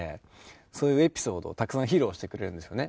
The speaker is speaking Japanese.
そういうエピソードをたくさん披露してくれるんですね。